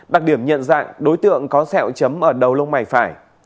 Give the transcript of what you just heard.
đặc điểm nhận dạng đối tượng có sẹo chấm ở đầu lông mày phải